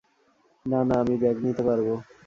না, না, আমি ব্যাগ নিতে পারব।